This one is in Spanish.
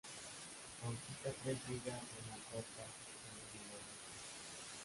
Conquista tres Ligas y una Copa de Bielorrusia.